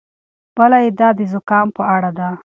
بله ادعا د زکام په اړه ده.